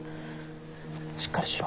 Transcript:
しっかりしろ。